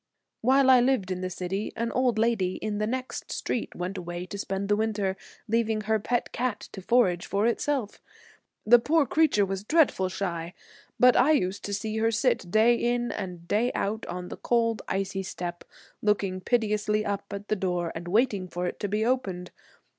While I lived in the city an old lady in the next street went away to spend the winter, leaving her pet cat to forage for itself. The poor creature was dreadful shy, but I used to see her sit day in and day out on the cold, icy step, looking piteously up at the door and waiting for it to be opened.